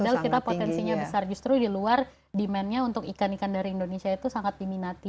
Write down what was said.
sayang sekali padahal kita potensinya besar justru di luar demand nya untuk ikan ikan dari indonesia itu sangat diminati